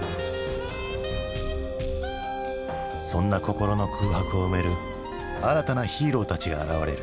そんな心の空白を埋める新たなヒーローたちが現れる。